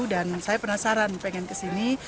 dan saya penasaran pengen kesini